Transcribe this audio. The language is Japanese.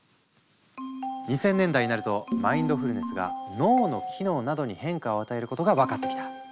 ２０００年代になるとマインドフルネスが脳の機能などに変化を与えることが分かってきた。